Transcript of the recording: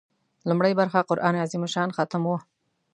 لومړۍ برخه قران عظیم الشان ختم و.